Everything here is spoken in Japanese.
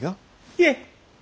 いえ！